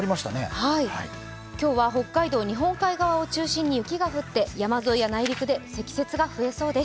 今日は北海道日本海側を中心に雪が降って山沿いや内陸で積雪が増えそうです。